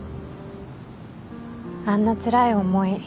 あんなつらい思い